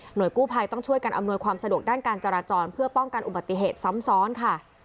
โดยกู้ภัยต้องช่วยกันอำนวยความสะดวกด้านการจราจรเพื่อป้องกันอุบัติเหตุซ้ำซ้อนค่ะ